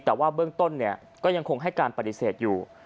แต่ว่าเบื้องต้นเนี่ยก็ยังคงให้การปฏิเสธอยู่